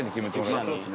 そうですね。